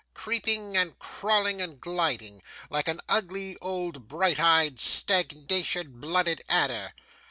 Creeping and crawling and gliding, like a ugly, old, bright eyed, stagnation blooded adder!